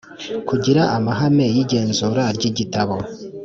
kugira amahame y igenzura ry igitabo